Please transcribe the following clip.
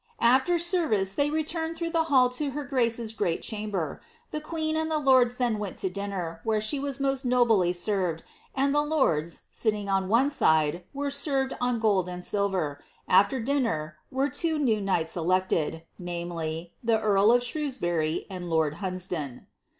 After service, they relumed ihroiigh llie hall to her grace's greai cliamber. The (^ueen and ihe Inrds then went to dinner, where e\te was most nohly served, and ilie lords. Bitting on one side, were «ervei) on gold and silver. Aller dinner, were two new knights elected — »iz., the earl of Shrewsbury «nd lord Hunsdon."'